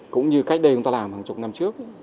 cũng như cách đây chúng ta làm hàng chục năm trước